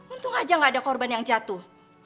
untung aja gak ada korban yang jatuh